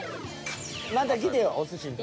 また来てよお寿司の時。